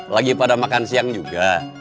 lagi pada makan siang juga